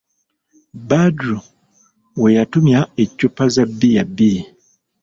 Badru we yatumya eccupa za bbiya bbiri.